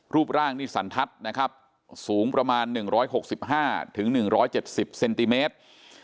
รูปร่างนี่สันทัศน์นะครับสูงประมาณหนึ่งร้อยหกสิบห้าถึงหนึ่งร้อยเจ็ดสิบเซนติเมตร